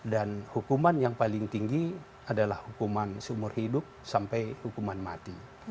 dan hukuman yang paling tinggi adalah hukuman seumur hidup sampai hukuman mati